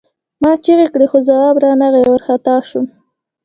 ما چیغې کړې خو ځواب را نغی او وارخطا شوم